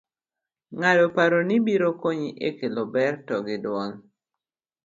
ng'ado parono biro konyi e kelo ber to gi duol